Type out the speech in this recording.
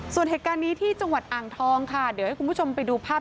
ส่วนเหตุการณ์นี้ที่จังหวัดอ่างทองค่ะเดี๋ยวให้คุณผู้ชมไปดูภาพ